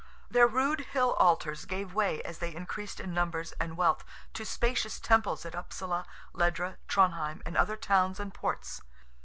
Their rude hill altars gave way as they increased in numbers and wealth, to spacious temples at Upsala, Ledra, Tronheim, and other towns and ports.